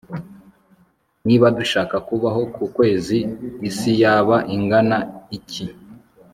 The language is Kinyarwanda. niba dushaka kubaho ku kwezi, isi yaba ingana iki